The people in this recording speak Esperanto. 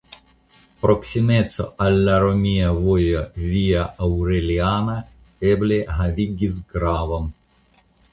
Proksimeco al la romia vojo Via Aureliana eble havigis gravon.